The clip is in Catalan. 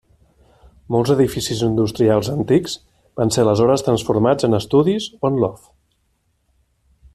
Molts edificis industrials antics van ser aleshores transformats en estudis o en lofts.